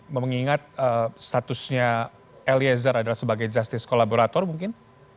mengingat statusnya eliezer adalah sebagai justice kolaborator mungkin